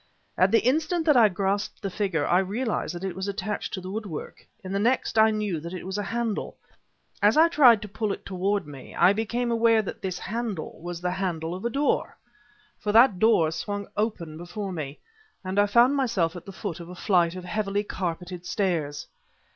At the instant that I grasped the figure I realized that it was attached to the woodwork; in the next I knew that it was a handle ... as I tried to pull it toward me I became aware that this handle was the handle of a door. For that door swung open before me, and I found myself at the foot of a flight of heavily carpeted stairs.